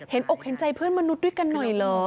อกเห็นใจเพื่อนมนุษย์ด้วยกันหน่อยเหรอ